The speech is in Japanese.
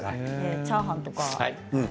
チャーハンとか。